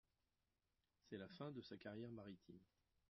C'est la fin de sa carrière maritime.